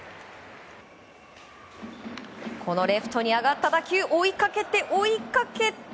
このレフトに上がった打球追いかけて、追いかけて。